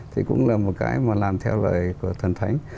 thì cũng là một cái mà làm theo lời của thần thánh